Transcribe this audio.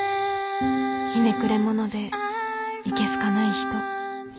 「ひねくれ者でいけ好かない人」